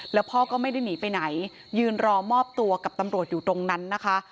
แล้วพ่อก็ไม่ได้หนีไปไหนยืนรอมอบตัวกับตำรวจอยู่ตรงนั้นนะคะ